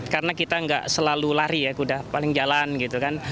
karena kita nggak selalu lari ya kuda paling jalan gitu kan